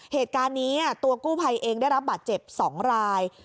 เหตุการณ์นี้ตัวกู้ภัยเองได้รับบาดเจ็บ๒ราย